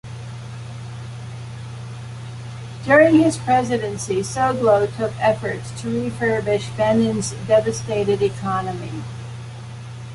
During his presidency, Soglo took efforts to refurbish Benin's devastated economy.